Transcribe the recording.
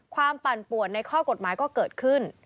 ปั่นป่วนในข้อกฎหมายก็เกิดขึ้น